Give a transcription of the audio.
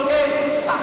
dan lain sebagainya